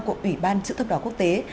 của ủy ban chữ thấp đỏ quốc tế